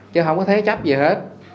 chứ không có thế chấp gì hết